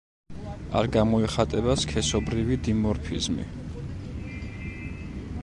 არ გამოიხატება სქესობრივი დიმორფიზმი.